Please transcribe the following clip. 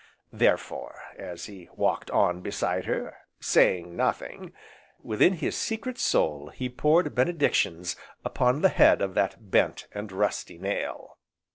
Therefore, as he walked on beside her, saying nothing, within his secret soul he poured benedictions upon the head of that bent, and rusty nail.